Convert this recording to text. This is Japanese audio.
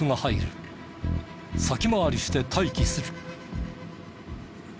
先回りして待機する。